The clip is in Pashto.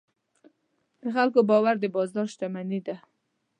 د خلکو باور د بازار شتمني ده.